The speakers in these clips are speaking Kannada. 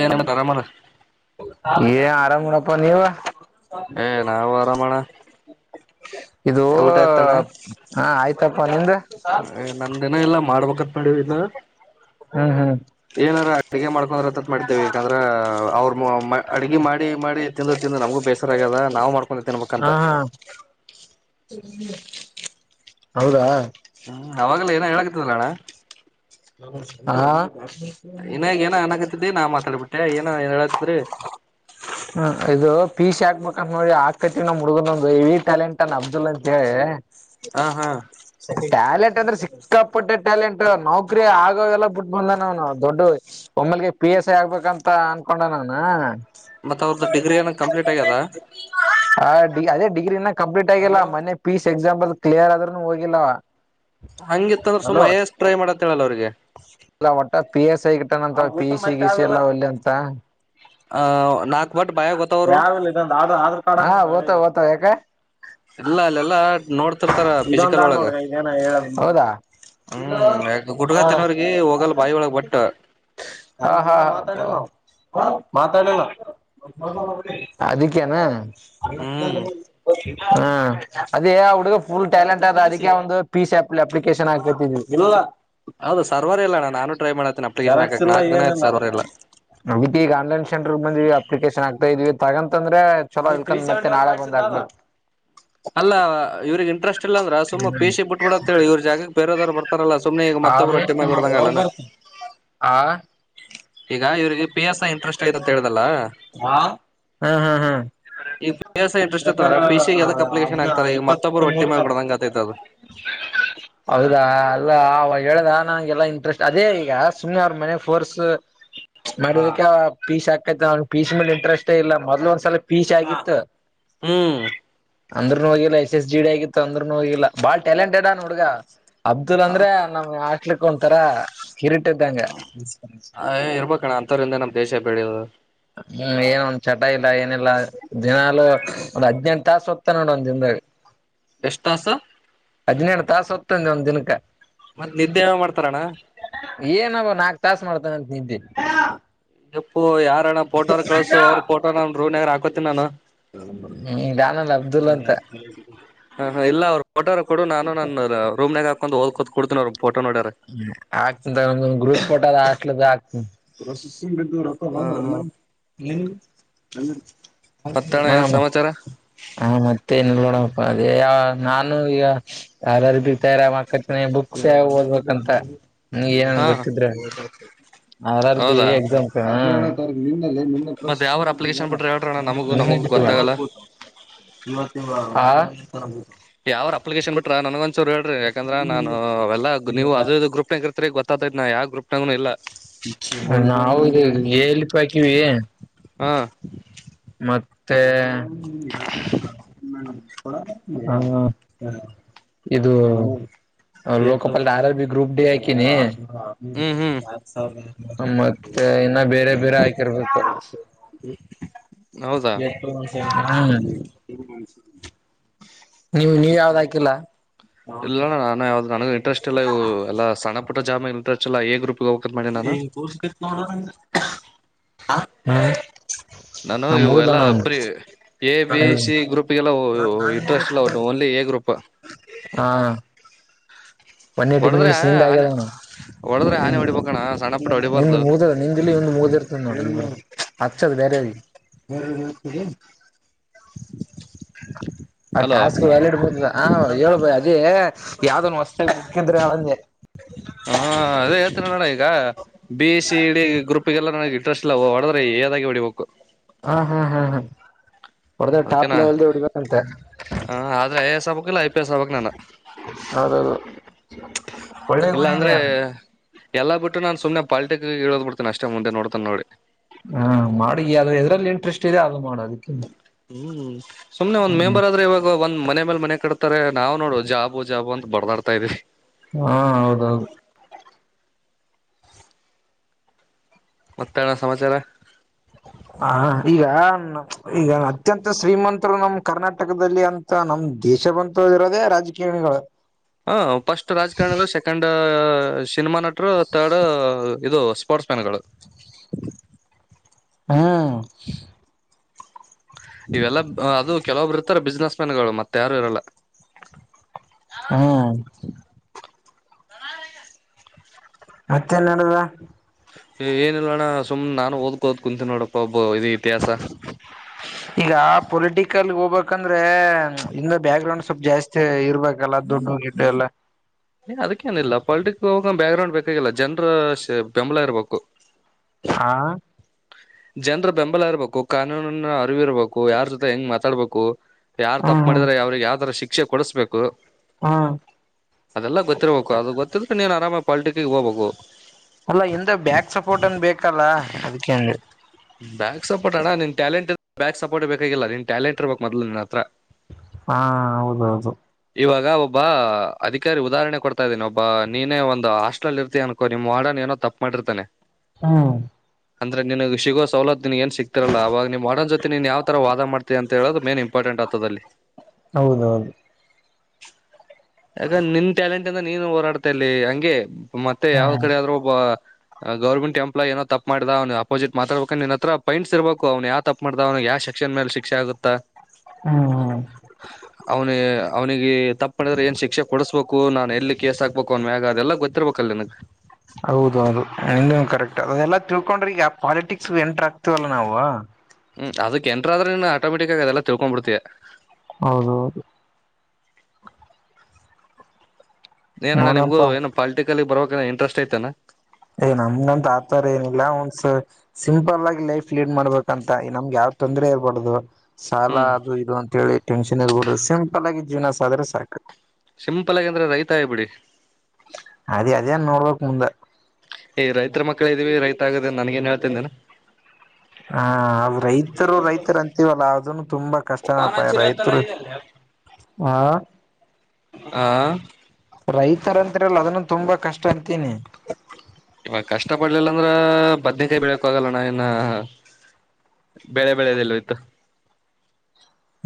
ಏನ್ ಅಣ್ಣ ಆರಾಮ ಏ ಆರಾಮ್ ಮಾಡಡಪ್ಪ ನೀವ ಏ ನಾವು ಆರಾಮಣ ಇದು ಊಟ ಹ ಆಯ್ತು ತಪ್ಪ ನಿಮ್ದೆ ನಂದು ಇನ್ನ ಎಲ್ಲಾ ಮಾಡ್ಬೇಕತ್ ಮಾಡವಿ ಇನ್ನು ಹ್ಮ್ ಹ್ಮ್ ಏನಾರ ಅಡ್ಗೆ ಮಾಡ್ಕೊಂಡಂದ ರತ್ ಮಾಡ್ತೇವಿ ಯಾಕಂದ್ರ ಅವ್ರರು ಅಡ್ಗೆ ಮಾಡಿ ಮಾಡಿ ತಿಂದು ತಿಂದು ನಮಗು ಬೇಸರ ಆಗ್ಯದ ನಾವ್ ಮಾಡ್ಕೊಂಡ ತಿನ್ಬೇಕ ಹಾ ಅಂತ ಹೌದಾ ಹ್ಮ್ ಅವಾಗಲ್ಲ ಏನ ಅಣ್ಣ ಹಾ ಇನ್ನಾಗ ಏನ ಅನಕತಿದಿ -ನಾ -ಮಾತಾಡ್ಬಿಟ್ಟೆ ಏನ ಏನ್ ಹೇಳತ್ರಿ. ಹ್ಮ -ಇದು ಪೀಶ ಹಾಕ್ಬೇಕಂತ ನೋಡಿ ಆಕಟ್ಟ ನ ಮುುಡ್ಗನೊಂದು -ಇ -ಟ್ಯಾಲೆಂಟ್ ಅನ್ ಅಬ್ದುಲ್ ಅಂತ ಹೇಳಿ. ಹಾ- ಹಾ ಟಾಲೆಂಟ್ ಅಂದ್ರೆ ಸಿಕ್ಕಾಪಟ್ಟೆ ಟ್ಯಾಲೆಂಟ್ ನೌಕರಿ ಆಗೋ ಎಲ್ಲ ಬಿಟ್ಟ ಬಂದ ನ ದೊಡ್- ಓ- ಗೆ- ಪಿ- ಎಸ್ ಆಗ್ಬೇಕಂತ ಅನ್ಕೊಂಡ ಅವನ. ಮತ್ ಅವ್ರದ್ದ ಡಿಗ್ರಿ ಏನ ಕಂಪ್ಲೀಟ್ ಆಗ್ಯದ ಹಡಿ ಅದೇ ಡಿಗ್ರಿನ. ಕಂಪ್ಲೀಟ್ ಆಗಿಲ್ಲ ಮನೆ ಪೀಸ್ ಎಕ್ಸಾಂಪಲ್ ಕ್ಲಿಯರ್ ಆದ್ರೂನು ಹೋಗಿಲ್ಲ. ಹಂಗಿತ್ತಂದ್ರೆ ಸುಮಾ- ಐ -ಎ-ಯಸ್- ಟೈ ಮಾಡತ್ತೇಳಲ್ಲ ಅವ್ರಿಗೆ. ಇಲ್ಲ ಒಟ್ಟ- ಪಿ -ಎಸ್ ಐ -ಗಿಟ್ಟನಂತ- ಪಿಯುಸಿ ಎಲ್ಲ ಒಂದು ಆ ನಾಕ್ ಬಟ್ ಬಾಯ ಗೊತ್ತವ್ರು ಯಾವಲ್ಲ ಇದ ಆಧಾರ್ ಕಾರ್ಡ್- ಹಾ ಓ್ತ- ಓ್ತ ಯಾಕೆ. ಎಲ್ಲ ಅಲ್ಲೆಲ್ಲಾ ನೋಡ್ತಿರ್ತಾರ ಇದೊಂದ ಫಿಸಿಕಲ್ ಆದ ಒಳಗ. ನೋಡ್ರಿ ಇದೇನ ಹೇಳ ಹಾ ಹ್ಮ್- ಕುಟಗ ಹತ್ತಿನವರ್ಗ ಹೋಗಲ್ ಬಾಯಿ ಒಳಗ್ ಬಟ್ಟ. ಮಾತಾಡಲ್ಲ ಅದಕ್ಕ್ಯನಾ. ಹ್ಮ್ ಅ ಹಾ- ಅದೇ ಹುಡ್ಗ ಫುಲ್ ಟ್ಯಾಲೆಂಟ್ ಆದ ಅದಕ್ಕೆ ಒಂದು ಪೀಸ್ಪ್ ಅಪ್ಲಿಕೇಶನ್ ಹಾತವಿ. ಹೌದು ಸರ್ವರ್ಲ್ಲ ನಾನ ಟ್ರೈ ಮಾಡತನಿ ಅಪ್ಲಿಕೇಶನ್ ಹಾಕಕ್ ನಲ್ಕ ದಿನಯಐ ಸರ್ ಇಲ್ಲ. ನ -ಈಗ ಆನ್ಲೈನ್ ಸೆಂರ್ ಬಂದ್ವಿ ಅಪ್ಲಿಕೇಶನ್ ಆಗ್ತಾ ಇದೀವಿ. ತಗಂತಂದ್ರೆ ಚಲೋ ಮತ್ತೆ ನಾಳೆ ಬಂದ ಆಗ್. ಅಲ್ಲ ಇವ್ರಿಗೆ ಇಂಟ್ರೆಸ್ಟ್ ಇಲ್ಲ ಅಂದ್ರೆ ಸುಮ್ಮ ಹ್ಮ್ ಪೇಶಿ ಬಿಟ್ಬಿಡಂತ ಹೇಳಿ ಇವ್ರ ಜಾಗಕ್ಕೆ ಬೇರೋದ್ರು ಬರ್ತಾರೆ. ರಲ್ಲ ಸುಮನೆ ಈಗ ಮತ್ತೊಬ್ರು ಆಮೇಲೆ ರೊಟ್ಟಿ ಮಾಡ ಕೊಡದಂಗ ಅಲ್ಲನ. ಆ ಈಗ ಇವ್ರಿಗೆ -ಪಿ -ಎಸ್- ಐ- ಇಂಟ್ರೆಸ್ಟ್ ಐತೆ ಅಂತ ಹೇಳ್ದಲ್ಲ. ಹ್ಮ್ ಹ್ಮ್ ಹ್ಮ್ ಈಗ ಪಿ -ಎಸ್-ಐ -ಇಂಟರೆಸ್ಟ್ ಇತ್ತು ಪೇಪರ್ ಅಂದ್ರೆ- ಪಿ- ಸಿ -ಯಾವದಕ್ ಅಪ್ಲಿಕೇಶನ್ ಹದ್ನ ಆಗ್ತ ಈ ಇಪ್ಪತ್ತ್ ಮತ್ತೊಬ್ರು ಒಟ್ಟಿ ಮೂರ್ಕ ಮಾಡಿ ಬಿಡಂಗ ಆತ್ತೈತದು. ಹೌದಾ ಹೇಳ್ದ ನಂಗೆಲ್ಲಾ ಇಂಟ್ರೆಸ್ಟ್ ಅದೇ ಈಗ ಸುಮ್ನೆ ಅವ್ರ ಮನೆ ಫೋರ್ಸ್ ಮಾಡ. ಪೀಸ್ ಹಾಕೈತ್ ನ ಪೀಸ್- ಮೇ ಇಂಟ್ರಸ್ಟ್ ಇಲ್ಲ ಮೊದ್ ಒಂದ್ಸಲ ಪೀಶಿ ಆಗಿತ್ತು. ಹ್ಮ್ ಅಂದ್ನು ಹೋಗಿಲ್ಲ ಎಸ್ ಎಸ್- ಜಿ -ಡಿ ಆಗಿತ್ತು. ಅಂದ್ರೂನು ಹೋಗಿಲ್ಲ ಬಾಳ್ ಟ್ಯಾಲೆಂಟೆಇದಾನು ಹುಡುಗ. ಅಬ್ದುಲ್ ಅಂದ್ರೆ ನಮ್ಗೆ ಆಸ್ಲಿಕ್ ಒಂತರ ಹಿರಿಟ್ಟದ್ದಂಗ. ಹೇ- ಇರ್ಬೇಕಣ್ಣ ಅಂಥವ್ರಂದ ನಮ್ ದೇಶ ಬೆಳೆಯದು. ಹ್ಮ್ ಏನ ಒಂದ್ ಚಟ ಇಲ್ಲ ಏನಿಲ್ಲ ದಿನಲುೂ ಒಂದ್ ಹದ್ನೆಂಟು ತಾಸ ಹೊತ್ತ ನೋಡ ಒಂದ್ ದಿನದಾಗ. ಎಷ್ಟ್ ತಾಸು ಹದಿನೇಳೇಳು ತಾಸ ಒಂದತ್ತಾನೆ ಒಂದ್ ದಿನಕ್ಕೆ. ಮತ್ ನಿದ್ದೆ ಮಾಡ್ತಾರಣ್ಣ ಏನ-ಬ ನಾಲ್ಕ್ ತಾಸ ಮಾಡ್ತಾನ ಅಂತ ನಿದ್ದೆ ಯಪ್ಪು ಯಾರಣ್ಣ ಫೋಟೋನ ಕಿಸಸು ಅವ್ರ ಫೋಟೋ ನಾನು ರೂವ್ಗರ್ ಹಾಕೋತಿನಿ ನಾನು. ಹ್ಮ್ ನಾನಲ್ಲ ಅಬ್ದುಲ್ ಅಂತ ಹ -ಹಾ -ಇಲ್ಲ ಅವ್ರ ಫೋಟೋರ ಕೊ ನಾನು ನನ್ನ ರೂ್ಾಗ ಹಾಕೊಂಡು ಹದಕೋ. ಹ್ಮ- ಆಗ್ತನ ಗ್ರೂಪ್ ಪೋಟದ ಆಲದ ಆಗ್ತನ್. ಇದ್ದು ರಕ್ಕ ಹಾ ಹಾ -ಬ. ಮತ್ತಣ ಏನ್ ಹ- ಸಮಾಚಾರ ಹ -ಮತ್ತೆ ನೋಡ. ಅದೇ ಯಾವ ನಾನು ಈಗ ಯಾರಾರ ಬಿರ್ತಾ ಇರ ಮಕ್ಕಟ್ಟ ಬುಕ್ಸ್ ಯ ಓದ್ಬೇಕು. ಅಂತ -ನೀ -ಏನನ್ ಹಾ ಗೊತ್ತಿದ್ರೆ ಆರಾರ -ಬಿ- ಹೌದಾ ಎಕ್ಸಾಂ. ಪ್ರ ಮತ್ ಯಾವರ ಅಪ್ಲಿಕೇಶನ್ ಬಿಟ್ರ ಹೇಳ್ರಣ್ಣ ನಮಗೂ ನಮಗೂ ಗೊತ್ತಾಗಲ್ಲ. ಹಾ ಯಾವ್ರ ಅಪ್ಲಿಕೇಶನ್ ಬಿಟ್ರ ನನ್ಗ ಒಂದಚೂರು ಹೇಳ್ರಿಕಂದ್ರ ನಾ ಅವೆಲ್ಲಾ ನೀವು ಅದ ಗ್ರೂಪ್ನ ಇರ್ತ್ರಿ ಗೊ. ಯಾವ- ಗ್ರೂ ನಾವದು ಎಲ್ಲಿಪ ಹಾಕಿವಿ ಹಾ ಮತ್ತೆ-ಏ ಹ್ಮ -ಇದು ಲೋಕಪಲ್ ಆರ -ಬಿ -ಗ್ರೂಪ್ -ಡೇ -ಹಾಕಿನಿ. ಹ್ಮ್ ಹ್ಮ್ ಮತ್ತೆ ಇನ್ನ ಬೇರೆ ಬೇರೆ ಹಾಕಿರ್ಬೇಕ ಹೌದಾ ಎಷ ನೀವು ನೀವ ಯಾವ್ದ ಹಾಕಿಲ್ಲ ಹ ಇಲ್ಲಣ್ಣ ನ ಯಾವ್ದ್ ನನಗ್ ಇಂಟ್ರೆಸ್ಟ್ ಇಲ್ಲ ಇ ಎಲ್ಲ ಸಣ್ಣಪುಟ್ಟ ಜಾಮ ಇಂಟ್ರೆಸ್ಟ್ ಇಲ್ಲೇ ಗ್ರೂ ಹ ಕೂರ್ ಸಿತ್ ನೋಡ ನಾನು ಇವೆಲ್ಲಾ ಅಬ್ರಿ ಎ ಬಿ ಸಿ ಗ್ರೂಪ್ಗೆಲ್ಲ ಇಂಟ್ರೆಸ್ಟ್ ಎಲ್ಲ ಓನ್ಲಿ ಎ ಗ್ರೂಪ್ ಅಪ್ಪ ಹಾ ಒನ್ ಏಟಿ ಹೊಡದ್ರ ಮಿನಿಟ್ ಸುಂಡ್ ಆನೆ ಆಗ್ಯದಣ ಹೊಡದ್ರ ಆನೆ ನಿಂದು ಹೊಡಿಬೇಕಣ ಸಣ್ಣ ಪುಟ್ಟ ನಿಂದು ಹೊಡಿಬಾರ್ದು ಮುದ ನಿಂದಿಲಿ ಒಂದು ಮುದ ಇರ್ತದ ನೋಡ್ರ ಅ ಬರೆಿ ಆ ಅಲೋ ಟಾಸ್ಕ್ ವ್ಯಾಲ ಇಡ್ಬ ಹೇಳಳ್ಬ ಅದೇ ಯಾವ್ದೊನ್ಸ್ ಂದ್ರಳಂದೆ ನಡ ಈಗ ಬಿ ಸಿ ಡಿ ಗ್ರೂಪ್ಗೆಲ್ಲ ನಗ್ ಇಂಟ್ರೆಸ್ಟ್ ಇಲ್ಲ ಹೊಡದ್ರೆ ಏದಾಗಿ ಹೊಡಿಬೇಕು ಹಾ ಹಾ ಹಾ ಹಾ ಹೊಡದ ಟಾಪ್ ಅದಕನಾ ಲೆವೆಲ್ದ ಹೊಡಿಬೇಕಂತೆ ಹ ಆದ್ರೆ ಐ ಎಸ್ ಹಬಕ್ ಇಲ್ಲ ಐ ಪಿ ಎಸ್ ಹಬಕ್ ನಾನ ಹ ಇಲ್ಲ ಅಂದ್ರೆ ಎಲ್ಲಾ ಬಿಟ್ಟು ನಾನ್ ಸುಮ್ನೆ ಪಾಲಿಟಿಕ್ ಇ ಹೇಳೋ್ ಬಿಡ್ತೇನಿ ಅಷ್ಟೇ ಮುಂದೆ ನೋಡ್ತಾನ ನೋಡಿ ಹಾ ಮಾಡ ಇದ್ರಲ್ಲಿ ಇಂಟ್ರೆಸ್ಟ್ ಇದೆ ಅದು ಮಾಡದು ಹ್ಮ್ ಸುಮ್ನೆ ಒಂದ್ ಮೇಂಬರ್ ಆದ್ರೆ ಇವಾಗ ಒಂದ ಮನೆ ಮೇಲೆ ಮನೆ ಕಡತಾರೆ ನಾವ್ ನೋಡು ಜಾಬ ಜಾಬು ಅಂತ ಬರ್ದಾಡ್ತಾ ಇದ್ವಿ ಹಾ ಹೌದೌದು ಮತ್ತೆ ಎಣ ಸಮಾಚಾರ ಹ ಹ ಈಗ ಈಗ ಅತ್ಯಂತ ಶ್ರೀಮಂತರು ನಮ ಕರ್ನಾಟಕದಲ್ಲಿ ಅಂತ ನಮ ದ ವಿಷ ಬಂತ ಇರೋದೇ ರಾಜಕೀಣಿಗಳು ಹ ಫಸ್ಟ್ ರಾಜಕಾರಣ ಅಲ್ ಸೆಕೆಂಡ್ ಸಿನಿಮಾ ನಟರು ತರ್ಡ್ ಇದು ಸ್ಪೋರ್ಟ್ಸ್ ಮ್ಯಾನ್ ಗಳು ಹ್ಮ್ ಇವೆಲ್ಲ ಅದು ಕೆಲವೊಬ್ರು ಇರ್ತಾರೆ ಬಿಸ್ನೆೆಸ್ ಮ್ಯಾನ್ ಗಳು ಮತ್ತೆ ಯಾರು ಇರಲ್ಲ ಹಾ ಮತ್ತೇನ್ಡದ ಏನಿಲ್ಲ ಅಣ್ಣ ಸುಮ್ನೆ ನಾನು ಓದ್ಕೋದ್ ಕುಂತೀನಿ ನೋಡಪ್ಪ ಒಬ್ಬ ಇದ ಇತಿಹಾಸ ಈಗ ಪೊಲಿಟಿಕಲ್ ಹೋಗಬೇಕಂದ್ರೆ ಇಂದ ಬ್ಯಾಕ್ ಗ್ರೌಂಡ್ ಸ್ವಲ್ ಜಾಸ್ತಿ ಇರ್ಬೇಕಲ್ಲ ದುಡ್ಡು ಹಿಟ್ಟೇ ಅಲ್ಲೇ ನೀ ಅದಕ್ಕೇಏನಿಲ್ಲ ಪಾಲಿಟಿಕ್ ಹೋಗ ಬ್ಯಾಕ್ಗ್ರೌಂಡ್ ಬೇಕಾಗಿಲ್ಲ ಜನ್ರ ಬೆಂಬಲ ಇರ್ಬೇಕು ಹಾ ಜನರ ಬೆಂಬಲ ಇರ್ಬೇಕು ಕಾನೂನಿನ ಅರಿವಿರ್ಬೇಕು ಯಾರ ಜೊತೆ ಹೆಂಗ್ ಮಾತಾಡ್ಬೇಕು ಯಾರ್ ತಪ್ಪು ಹ್ಮ್ ಮಾಡಿದ್ರ ಅವ್ರಿಗೆ ಯಾವ ತರ ಶಿಕ್ಷೆ ಕೊಡಸ್್ಬೇಕು ಹ್ಮ್ ಅದೆಲ್ಲ ಗೊತ್ತಿರ್ಬೇಕು ಅದು ಗೊತ್ತಿದೆ ನೀನ್ ಆರಾಮ ಪಾಲ್ಟಿಿಕ ಹೋಗ್ಬೇಕು ಅಲ್ಲ ಎಂದ ಬ್ಯಾಕ್ ಸಪೋರ್ಟ್ ಅಏನ್ ಬೇಕಲ್ಲ ಅ ಬ್ಯಾಕ್ ಸಪೋರ್ಟ್ಣ್ಣ ನಿನ್ ಟ್ಯಾಲೆಂಟ್ ಬ್ಯಾಕ್ ಸಪರ್ಟ್ ಬೇಕಾಗಿಲ್ಲ ನೀನ್ ಟ್ಯೆಂಟ್ ಇರ್ಬೇಕ ಮದ್ ನನ್ನತ್ರ ಹಾ ಹೌದೌದು ಇವಾಗ ಒಬ್ಬ ಅಧಿಕಾರಿ ಉದಾಹರಣೆ ಕೊಡ್ತಾ ಇದ್ದೀನಿ ಒಬ್ಬ ನೀನೇ ಒಂದು ಹಾಸ್ಟಲ್ ಇರ್ತ ಅನ್ಕೋ ನಿಮ್ಮ ಡ ಏನ ತಪ್ಪು ಮಾಡಿರ್ತಾನೆ ಹಾ ಅಂದ್ರೆ ನನ್ಗೆ ಸಿಗೋ ಸವಲತ್ತುಿನ ಏನ್ ಸಿಕ್ತಿರಲ್ಲ ಅವಾಗ ನೀವು ಮಾಡೋನ್ ಜೊತೆ ನೀನ್ ಯಾವ ತರ ವಾದ ಮಾಡ್ತೀಿ ಅಂತ ಹೇಳುದು ಮೇನ್ ಇಂಪಾರ್ಟೆಂಟ್ ಹತದಲ್ಲಿ ಹೌದೌದು ಯಾಕಂದ ನಿನ್ ಟ್ಯಾಲೆಂಟ್ ಅದ ನೀನ ಹೊರಾಡ್ತಾ ಅಲ್ಲಿ ಹಂಗೆ ಮತ್ತೆ ಯಾವ್ದ್ ಹ್ಮ್ ಕಡೆ ಆದ್ರೂ ಒಬ್ಬ. ಗೌರ್ಮೆಂಟ ಎಂಪ್ಲಾಯಿ ಏನೊ ತಪ್ಪ ಮಾಡದ ಅವ್ನ ಅಪೋಸಿಟ್ ಮಾತಾಡ್ಬೇಕ್ ನಿನ್ ಹತ್ರ ಪಯಿಂಟ್ಸ ಇರ್ಬೇಕು ಅವ್ನ ಯಾವ ತಪ್ ಮಾಡ್ದ ಅವ್ನಗ ಯ ಸೆಕ್ಷನ್ ಮ್ಯಾಲ ಶಿಕ್ಷೆ ಆಗುತ್ತಾ. ಹ್ಮ್ ಹ್ಮ್ ಅವನಿ ಅವನಿಗಿ ತಪ್ಪ ಮಾಡಿದ್ರ. ಶಿಕ್ಷೆ ಕೊಡಿಸ್ಬೇಕು ನಾನ್ ಎಲ್ಲಿ ಕೇಸ್ ಹಾಕ್ಬೇಕು ಅವನ್ ಮ್ಯಗ ಅದೆಲ್ಲ ಗೊತ್ತಿರ್ಬೇಕಲ್ಲ ನಿನ್ಗ್. ಅದೆಲ್ಲಾ ತಿಳ್ಕೊಂಡ್ರಿಗ್ ಆ ಪಾಲಿಟಿಕ್ಸ್ ಎಂಟ್ರ ಆಗ್ತಿವಲ್ಲ ನಾವು. ಹ್ಮ್ ಅದಕ್ಕೆ ಎಂಟರ ಆದ್ರ ಏನು ಆಟೊಮೆಟಿಕಾಗಿ ಅದೆಲ್ಲ ತಿಳ್ಕೊಂಡ್ ಬಿಡ್ತೀಯ. ಹೌದ ಹೌದು ಏನಣ್ಣ ನೋಡಪ ನಿಮಗು ಏನೋ ಪಾಲಿಟಿಕಲಿ ಬರಬೇಕನ ಇಂಟ್ರೆಸ್ಟ್ ಐತೆನ. ಏ ನಮ್ಗಂತ ಆತರ ಏನಿಲ್ಲ ಒಂದ್ಸ ಸಿಂಪಲ್ ಆಗಿ ಲೈಫ್ ಲೀಡ್ ಮಾಡ್ಬೇಕಂತ ನಮ್ಗ ಯಾವ. ತೊಂದ್ರರೆ ಇರ್ಬಡ್ದದು. ಸಾಲ ಹ್ಮ್ ಅದು ಇದು ಅಂತ ಹೇಳಿ ಟೆನ್ಷನ್ ಇರ್ಬಡದು ಸಿಂಪಲ್ ಆಗಿ ಜೀವನಸಾದ್ರೆ ಸಾಕು. ಸಿಂಪಲ್ ಆಗಿ ಅಂದ್ರೆ ರೈತ ಆಬಿಡಿ. ಅದೇ ಅದೇನ್ ನೋಡ್ಬೇಕ್ ಮುಂದ. ಈ ರೈತರ ಮಕ್ಕಳ ಇದ್ದೀವಿ ರೈತ ಆಗದ ನನ್ಗೆನ ಹೇಳತಂದೇನು. ಹಾ ಅದು ರೈತರು ರೈತರು ಅಂತೀವಲ್ಲ ಅದುನ್ನು ತುಂಬಾ ಕಷ್ಟನಪಾ ವಾನಚಿರತಲ ರೈತರು. ಇದೆಲ್ಲ ಹಾ ಹಾ ರೈತರ ಅಂತರಲ್ಲ ಅದುನ್ನು ತುಂಬಾ ಕಷ್ಟ ಅಂತೀನಿ. ಇವಾಗ ಕಷ್ಟ ಪಡ್ಲಿಲ್ಲ ಅಂದ್ರ ಬದನಕಾಯಿ ಬೇಳೆಕು ಆಗಲ್ಲಣ್ ಇನ್ನ. ಬೆಳೆ ಬೆಳೆದೆಲ್ಲ ಹೊಯ್ತು.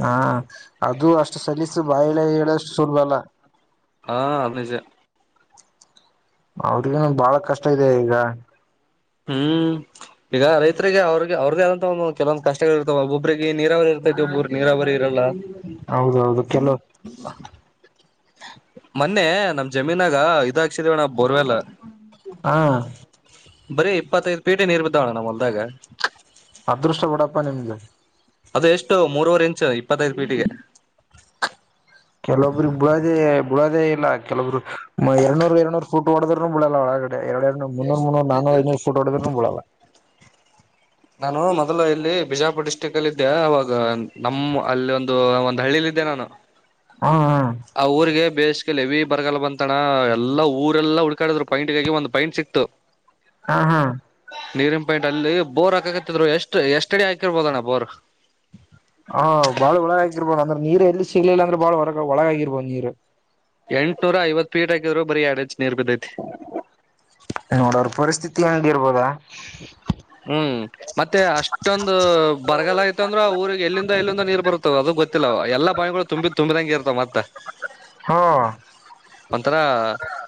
ಹಾ ಅದು ಅಷ್ಟು ಸಲ್ಲಿಸ್ ಬಾಯಲ್ಲಿ ಹೇಳಷ್ಟು ಸುಲಭ ಅಲ್ಲ. ಹಾ ಅದ ನಿಜ. ಅವ್ರಿಗನು ಬಾಳ ಕಷ್ಟ ಇದೆ ಈಗ. ಹ್ಮ್ ಈಗ ರೈತರಿಗೆ ಅವ್ರಿಗೆ ಅವ್ರ್ದೇ ಆದಂತ ಒಂದು ಕೆಲವೊಂದು ಕಷ್ಟಗಳು ಇರ್ತಾವ ಒಬ್ಬೊಬ್ಬರಿಗ ನೀರಾವರಿ ಇರ್ತೈತಿ ಒಬ್ಬೊಬ್ಬರೀಗ ನೀರಾವರಿ. ಇರಲ್ಲ ಹೌದ ಹೌದು ಕೆಲ ಮೊನ್ನೆ ನಮ್ಮ್ ಜಮೀನಾಗ ಇದಾಕ್ಸಿದೆವಣ್ಣ ಬೋರ್ವೆಲ್ಲ. ಹಾ ಬರೀ ಇಪ್ಪತ್ತೈದ ಪೀಟೆ ನೀರ್ ಬಿದ್ದಾವಣ್ ನಮ್ಮ್ ಹೊಲ್ದಾಗ. ಅದೃಷ್ಟ ಬೀಡಪ್ಪ ನಿಮ್ದು. ಅದು ಎಷ್ಟು ಮೂರವರಿ ಇಂಚ್ ಇಪ್ಪತ್ತೈದ ಪೀಟಿಗೆ. ಕೆಲೊಬ್ರಿಗ್ ಬೀಳೋದೆ ಬಿಳೋದೇ ಇಲ್ಲ ಕೆಲವೊಬ್ರು ಮ ಎರಡ್ನುರ್ ಎರಡ್ನೂರ್ ಪೂಟ ಹೊಡದುರ್ನು ಬಿಳಲ್ಲ ಒಳಗ ಡೆ ಎರಡೆರಡು ಮುನ್ನೂರ್ ಮುನ್ನೂರ್ ನಾನೂರೂ ಐನೂರು ಪೂಟ್ ಹೊಡದುರ್ನು ಬಿಳಲ್ಲ. ನಾನು ಮೊದಲು ಇಲ್ಲಿ ಬಿಜಾಪುರ ಡಿಸ್ಟ್ರಿಕ್ ಅಲ್ಲಿ ಇದದ್ದೆ ಅವಾಗ ನಮ್ಮ್ ಅಲ್ಲಿ ಒಂದು ಒಂದ್ ಹಳ್ಳಿಲಿ ದೆ ನಾನು ಹ್ಮ್ ಹ್ಮ್ ಆ ಊರಿಗೆ ಬೇಸ್ ಹೇವಿ ಬರಗಾಲ್ ಬಂತಣ ಎಲ್ಲಾ ಊರೆಲ್ಲ ಹುಡ್ಕಾಡಿದ್ರು ಪೈಂಟ್ಗಾಗಿ ಒಂದ್ ಪೈಂಟ್ ಸಿಕ್ತು. ಹಾ ಹಾ ನೀರಿನ ಪಾಯಿಂಟ್ ಅಲ್ಲಿ ಬೋರ್ ಹಾಕಕತ್ತಿದ್ರು ಎಷ್ಟ ಎಷ್ಟಡಿ ಹಾಕಿರ್ಬೋದಣ್ಣ ಬೋರ್. ಹಾ ಬಾಳ ಒಳಗಾಕೀರ್ಬೋದು ಅಂದ್ರೆ ನೀರ್ ಎಲ್ಲಿ ಸಿಗ್ಲಿಲ್ಲ ಅಂದ್ರೆ ಬಾಳ್ ಒಳಗ ಒಳಗಾಗಿರ್ಬೋದು ನೀರ್. ಎಂಟ್--ನೂರ ಐವತ್ತು ಪೀಟ್ ಹಾಕಿದರು ಬರಿ ನೋಡೋರು ಪರಿಸ್ಥಿತಿ ಹೆಂಗಿರ್ಬೋದಾ. ಹ್ಮ್ ಮತ್ತೆ ಅಷ್ಟೊಂದು ಬರಗಾಲ ಆಗಿತಂದ್ರ ಊರಿಗ್ ಎಲ್ಲಿಂದ ಎಲ್ಲಿಂದ ನೀರ್ ಬರುತ್ತದ ಅದು. ಗೊತ್ತಿಲ್ಲ ಎಲ್ಲ ಬಾವಿಗಳು ತುಂಬಿ ತುಂಬದಂಗೆ ಇರ್ತವ ಮತ್ತ ಹಾ ಒಂಥರ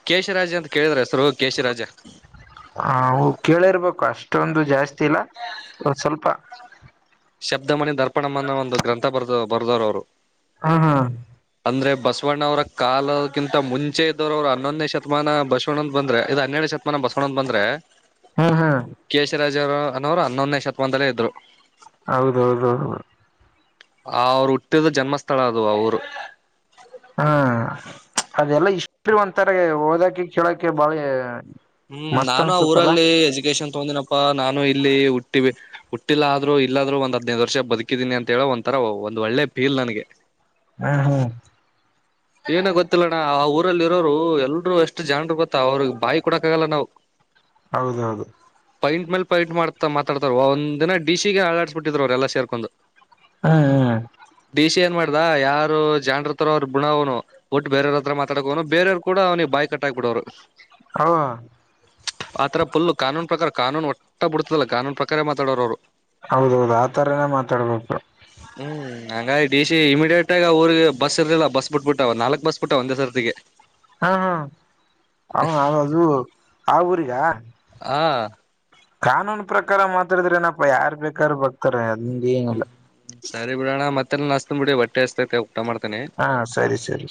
ಕೇಶರಾಜ್ ಅಂ ಕೇಳಿದ್ರ ಹೆಸರು ಕೇಶಿರಾಜ. ಹ ಅವು ಕೇಳಿರ್ಬೇಕು ಅಷ್ಟೊಂದು ಜಾಸ್ತಿ ಇಲ್ಲ ಒನ್ ಸ್ವಲ್ಪ. ಶಬ್ದಮಣಿ ದರ್ಪಣಂ ಅನ ಒಂದು ಗ್ರಂಥ ಬರ್ದ ಬರದವರ ಅವರು. ಹಾ ಹಾ ಅಂದ್ರೆ ಬಸವಣ್ಣವರ ಕಾಲ. ಕಿಂತ ಮುಚೆ ಇದವರು್ರು ಹನ್ನೊಂದೇ ಶತಮಾನ ಬಸವಣಂದಂತ ಬಂದ್ರೆ ಇದು ಹನ್ನೆರಡು ಶತಮಾನ ಬಸವಣ ಅಂತ ಬಂದ್ರೆ. ಹ್ಮ್ ಹ್ಮ್ ಕೇಶರಾಜನವ್ರು ಹನ್ನೊಂದನೇ ಶತಮಾನದಲ್ಲೇ ಇದ್ರು. ಹೌದೌದು ಆ ಅವ್ರು ಹುಟ್ಟಿದ ಜನ್ಮಸ್ಥಳ ಅದು ಅವರು. ಹ್ಮ್ ಅದೆಲ್ಲಾ ಇಷ್ಟ ಒಂತಾರೆ ಓದಕಿ ಕೇಳಕ ಬಾಳಿ. ಹ್ಮ್ ನಾನು ಆ ಊರಲ್ಲಿ ಎಜುಕೇಶನ್ ತಗೊಂಡನಪ್ಪಾ ನಾನು ಇಲ್ಲಿ ಹುಟ್ಟಿವಿ. ಹುಟ್ಟಿಲ್ಲ ಆದ್ರು ಇಲ್ಲಾದ್ರರು ಒಂದ್ ಹದ್ನೈದು ವರ್ಷ ಬದುಕಿದೀನಿ ಅಂತ ಹೇಳ ಒಂಥರ ಒಂದ್ ಒಳ್ಳೆ ಫೀಲ್ ನನಗೆ. ಹ್ಮ ಹ್ಮ್. ಏನ ಗೊತ್ತಿಲ್ಲಣ್ಣ ಆ ಊರಲ್ಲಿ ಇರೋರು ಎಲ್ರು ಎಷ್ಟು ಗೊತ್ತ ಅವ್ರಿಗೆ ಬಾಯಿ ಕೊಡಕ್ ಆಗಲ್ಲ ನಾವು ಹೌದೌದು. ಪೈಂಟ್ ಮೇಲೆ ಪೈಂಟ್ ಮಾಡ್ತಾ ಮಾತಾಡ್ತಾರ ಒಂದ ದಿನ ಡಿ--ಗೆ ಅಳಾಡಿಸಸ್ಬಿಟ್ಟಿದ್ರು ಅವ್ರೆಲ್ಲ ಸೇರ್ಕೊಂಡು ಹ ದೇಶ ಏನ್ ಮಾಡ್ದ ಯಾರು ಜಾಣರ ತರ ಅವರು. ಪುಣ ಅವನು ಒಟ್ಟು ಬೇರವ್ರ ಹತ್ರ ಮಾತಾಡಕನು ಬರೆಯವ ಕೂ ಅವನಿ ಕಟ್ಟಾಕ್ಬಿಡವರು ಆ ತರ ಪುಲುು ಕಾನೂನು ಪ್ರಕಾರ. ಕಾನೂನು ಒಟ್ಟ ಬಿಡತದಲ್ಲ ಕಾನೂನು ಪ್ರಕಾರ ಮಾತಾಡೋರ ಅವರು. ಹೌದೌದು ಆತರನ ಮಾತಾಡ್ಬೇಕು. ಹ್ಮ್ ಹಂಗಾಗಿ ಡಿ ಇಮಿಡಿಯೇಟ್ ಆಗ ಅವಊರಿಗೆಗ್ ಬಸ್ ಇರ್ಲಿಲ್ಲ ಬಸ್ ಬಿಟ್ಬಿಟ್ಟ ನಾಲ್ಕ್ ಬಸ್ ಬಿಟ್ಟ ಒಂದೇ ಸ--ಗೆ ಹ್ಮ ಹ್ಮ ಅವನ ಅದ ಅದು ಆ ಊರಿಗ. ಹಾ ಕಾನೂನು ಪ್ರಕಾರ ಮಾತಾಡಿದ್ರ ಏನಪ್ಪಾ ಯಾರ್ ಬೇಕಾದಾರ ಬಕ್ತಾರ. ಹ್ಮ್ ಸರಿ ಬಿಡೋಣ ಮತ್ತೆಲ್ಲ ನಸ್ತ್ ಬಿಡಿ--ಟ್ಟೆ ಅಸ್ತೈತೆ ಹಾ ಸರಿ ಸರಿ.